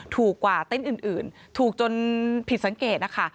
ถูกกว่าเต้นอื่นถูกจนผิดสังเกตนะคะ